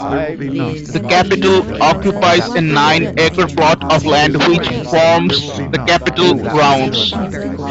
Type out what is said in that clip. The capitol occupies a nine acre plot of land which forms the capitol grounds.